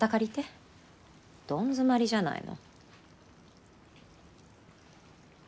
どん詰まりじゃないの。